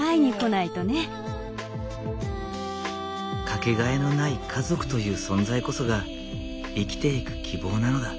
掛けがえのない家族という存在こそが生きていく希望なのだ。